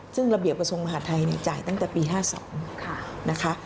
ซึ่งระเบียบกระทรวงมหาทัยจ่ายตั้งแต่ปี๕๒นะคะ